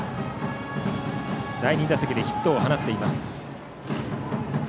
第２打席でヒットを放っています。